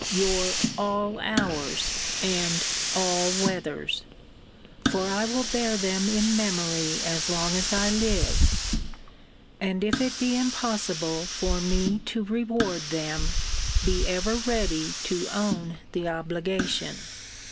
your all hours, and all weathers! For I will bear them in memory as long as I live; and if it be impossible for me to reward them, be ever ready to own the obligation.